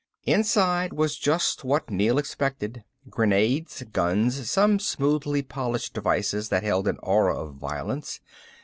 Inside was just what Neel expected. Grenades, guns, some smoothly polished devices that held an aura of violence.